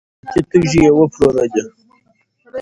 قیمتي تیږي یې وپلورلې.